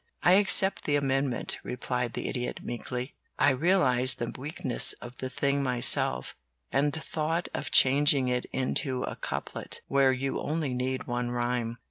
"I accept the amendment," replied the Idiot, meekly. "I realized the weakness of the thing myself, and thought of changing it into a couplet, where you only need one rhyme.